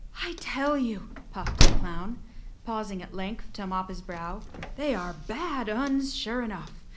"I tell you," puffed the clown, pausing at length to mop his brow, "they are bad Uns, sure enough.